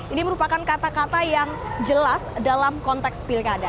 ini merupakan kata kata yang jelas dalam konteks pilkada